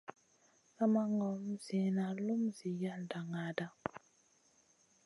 Sa ma ŋom ziyna lum zi yalda naaɗa.